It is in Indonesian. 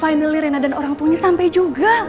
finally rena dan orangtunya sampe juga